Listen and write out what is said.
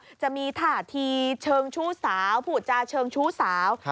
เหมือนกับว่าจะมีถาดทีเชิงชู้สาวผู้จาเชิงชู้สาว